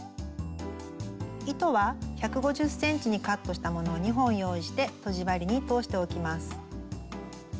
糸は１５０ｃｍにカットしたものを２本用意してとじ針に通しておきます。